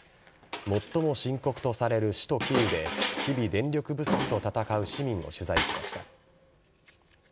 最も深刻とされる首都キーウで、日々、電力不足と戦う市民を取材しました。